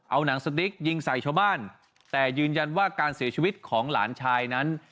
เอาหนังสติ๊กยิงใส่ชาวบ้านแต่ยืนยันว่าการเสียชีวิตของหลานชายนั้น